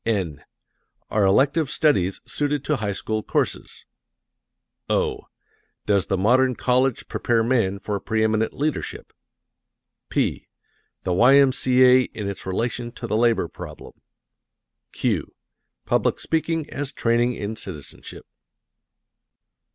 (n) "Are Elective Studies Suited to High School Courses?" (o) "Does the Modern College Prepare Men for Preeminent Leadership?" (p) "The Y.M.C.A. in Its Relation to the Labor Problem;" (q) "Public Speaking as Training in Citizenship."